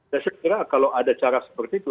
saya kira kalau ada cara seperti itu